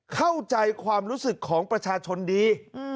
เข้าใจความรู้สึกของประชาชนดี